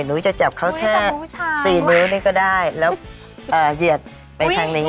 หนูจะจับเขาแค่๔นิ้วนี่ก็ได้แล้วเหยียดไปทางนี้